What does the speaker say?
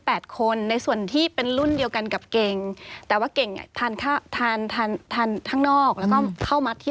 คนในส่วนที่เป็นรุ่นเดียวกันกับเก่งแต่ว่าเก่งอ่ะทานข้าวทานทานข้างนอกแล้วก็เข้ามัดที่